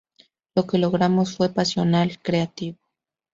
Lo que logramos fue pasional, creativo.